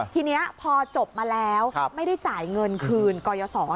ทีนี้พอจบมาแล้วไม่ได้จ่ายเงินคืนกรยศร